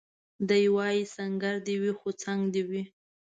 دی وايي سنګر دي وي خو څنګ دي وي